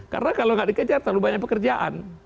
karena kalau nggak dikejar terlalu banyak pekerjaan